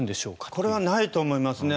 これはないと思いますね。